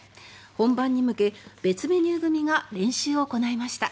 本番に向け、別メニュー組が練習を行いました。